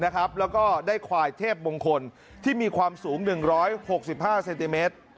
แล้วก็ได้ควายเทพมงคลที่มีความสูง๑๖๕เซนติเมตร